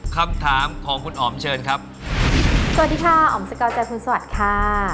คำถามของคุณอ๋อมเชิญครับสวัสดีค่ะอ๋อมสกอร์เจอคุณสวัสดีค่ะ